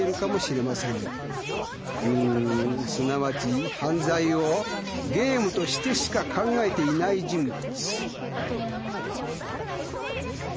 んーすなわち犯罪をゲームとしてしか考えていない人物。